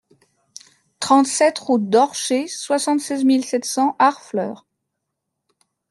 trente-sept route d'Orcher, soixante-seize mille sept cents Harfleur